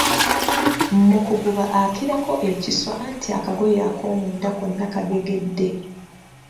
Mu kuguba akirako ekiswa anti akagoye ak'omunda konna kagegedde.